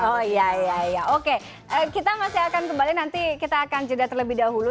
oh iya iya oke kita masih akan kembali nanti kita akan jeda terlebih dahulu